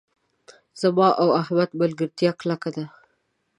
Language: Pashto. زما او احمد ملګرتیا کلکه ده.